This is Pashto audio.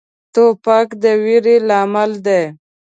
توپک د ویرو لامل دی.